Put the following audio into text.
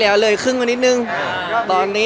แล้วถ่ายละครมันก็๘๙เดือนอะไรอย่างนี้